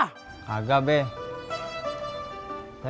saya kagak boleh berbicara